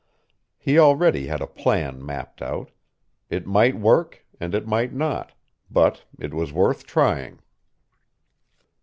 He already had a plan mapped out. It might work and it might not, but it was worth trying.